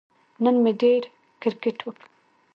نن مې ډېر کیرکټ وکه